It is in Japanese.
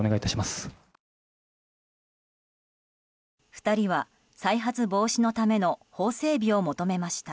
２人は、再発防止のための法整備を求めました。